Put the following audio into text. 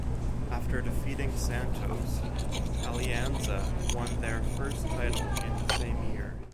After defeating Santos, Alianza won their first title in the same year.